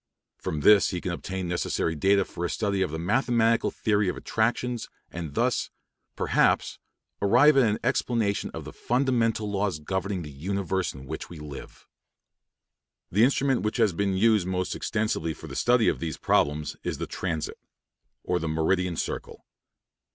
From this he can obtain necessary data for a study of the mathematical theory of attractions, and thus, perhaps, arrive at an explanation of the fundamental laws governing the universe in which we live. The instrument which has been used most extensively for the study of these problems is the transit (p. 118) or the "meridian circle."